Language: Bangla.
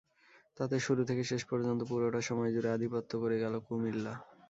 তাতে শুরু থেকে শেষ পর্যন্ত পুরোটা সময় জুড়ে আধিপত্য করে গেল কুমিল্লা।